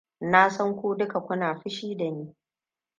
Na san ku duka kuna fushi da ni.